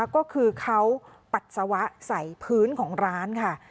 ก็คือเขาปัสสาวะใส่พื้นของร้านค่ะ